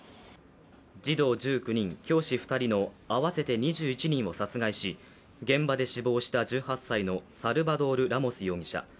児童１９人、教師２人の合わせて２１人を殺害し現場で死亡した１８歳のサルバドール・ラモス容疑者。